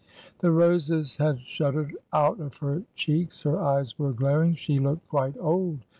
The roses had shuddered out of her cheeks; her eyes were glaring ; she looked quite old.